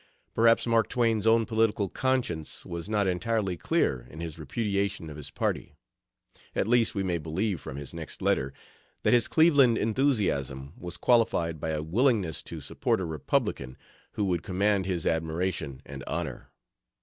Perhaps Mark Twain's own political conscience was not entirely clear in his repudiation of his party; at least we may believe from his next letter that his Cleveland enthusiasm was qualified by a willingness to support a Republican who would command his admiration and honor.